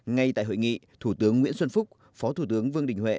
ngay tại hội nghị thủ tướng nguyễn xuân phúc phó thủ tướng vương đình huệ